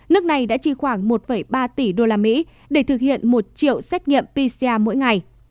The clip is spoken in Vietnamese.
nước này đã chi khoảng một ba tỷ usd để thực hiện một triệu xét nghiệm pcr mỗi ngày